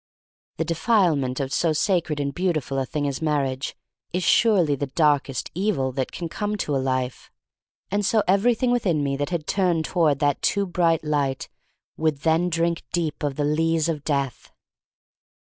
The defilement of so sacred and beautiful a thing as mar riage is surely the darkest evil that can 270 THE STORY OF MARY MAC LANE come to a life. And so everything within me that had turned toward that too bright light would then drink deep of the lees of death.